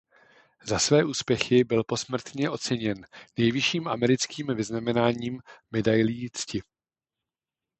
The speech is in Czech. Za své úspěchy byl posmrtně oceněn nejvyšším americkým vyznamenáním Medailí cti.